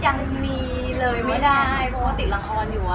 ยังมีเลยไม่ได้เพราะว่าติดละครอยู่